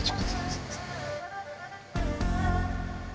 すみません。